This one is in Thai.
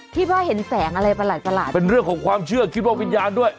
ที่ว่าเห็นแสงอะไรประหลาดเป็นเรื่องของความเชื่อคิดว่าวิญญาณด้วย